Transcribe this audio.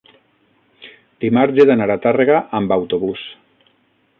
dimarts he d'anar a Tàrrega amb autobús.